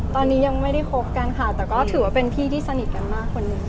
ตอนนี้ยังไม่ได้คบกันค่ะแต่ก็ถือว่าเป็นพี่ที่สนิทกันมากคนหนึ่ง